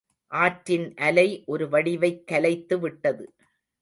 ஆற்றின் அலை ஒரு வடிவைக் கலைத்து விட்டது.